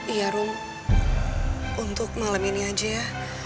iya rum untuk malam ini aja ya